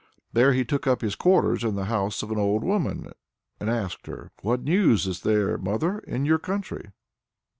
There he took up his quarters in the house of an old woman, and asked her: "What news is there, mother, in your country?"